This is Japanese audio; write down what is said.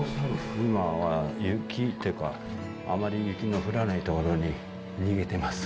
冬は雪っていうか、あまり雪の降らない所に逃げてます。